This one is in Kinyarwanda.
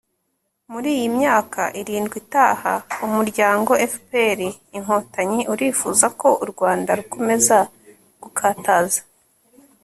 muri iyi myaka irindwi itaha, umuryango fpr-inkotanyi urifuza ko u rwanda rukomeza gukataza